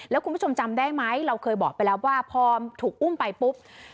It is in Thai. แล้วคุณผู้ชมจำได้ไหมเราเคยบอกไปแล้วว่าพอถูกอุ้มไปปุ๊บ